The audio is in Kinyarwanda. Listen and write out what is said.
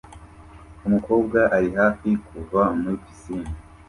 Umukobwa ari hafi kuva muri pisine